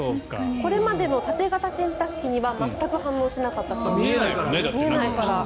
これまでの縦型洗濯機には全く反応しなかったそうです。